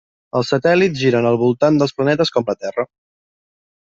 Els satèl·lits giren al voltant dels planetes com la Terra.